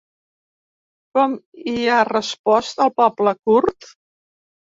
Com hi ha respost el poble kurd?